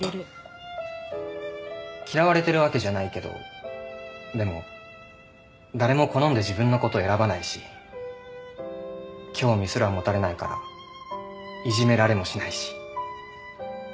嫌われてるわけじゃないけどでも誰も好んで自分のこと選ばないし興味すら持たれないからいじめられもしないし。